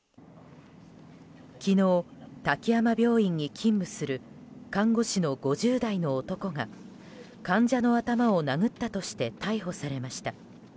昨日、滝山病院に勤務する看護師の５０代の男が患者の頭を殴ったとして逮捕されました。